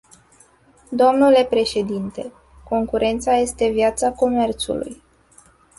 Domnule președinte, concurența este viața comerțului.